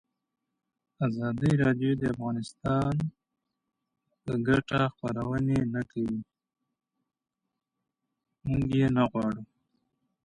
ازادي راډیو د اقلیم په اړه د هر اړخیزو مسایلو پوښښ کړی.